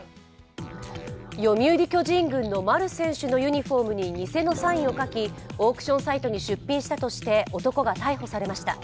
読売巨人軍の丸選手のユニフォームに偽のサインを書きオークションサイトに出品したとして男が逮捕されました。